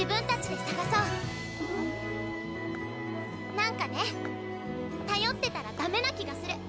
何かね頼ってたらダメな気がする。